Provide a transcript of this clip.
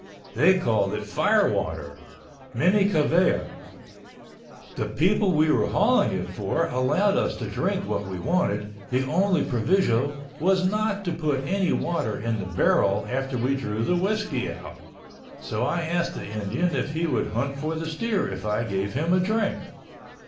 They called it fire water—Minnie Kavea. The people we were hauling it for allowed us to drink what we wanted, the only proviso was not to put any water in the barrel after we drew the whiskey out, so I asked the Indian if he would hunt for the steer if I gave him a drink.